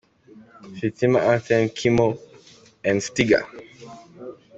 Thitima Anthem – Kymo & Stigah.